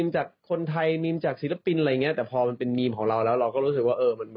จากคนไทยจากฝรั่งจากฝรั่งจากคนไทย